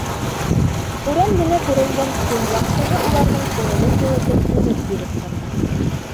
Һүрән генә күренгән көн яҡтыһы уларҙың күңелен йылытып өмөт биреп торҙо.